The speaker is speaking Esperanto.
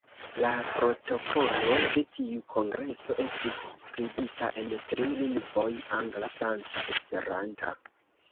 La protokolo de tiu kongreso estis skribita en tri lingvoj: angla, franca, esperanta.